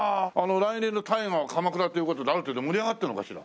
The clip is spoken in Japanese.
来年の大河は鎌倉という事である程度盛り上がってるのかしら？